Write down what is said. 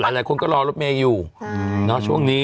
หลายคนก็รอรถเมย์อยู่ช่วงนี้